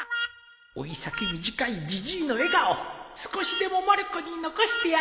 老い先短いジジイの笑顔少しでもまる子に残してやりたい